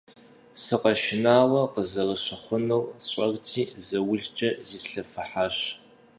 Сыкъэшынауэ къызэрыщыхъунур сщӀэрти, заулкӀэ зислъэфыхьащ.